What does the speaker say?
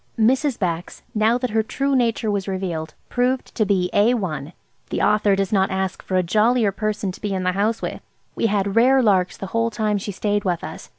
Mrs. Bax, now that her true nature was revealed, proved to be A1. The author does not ask for a jollier person to be in the house with. We had rare larks the whole time she stayed with us.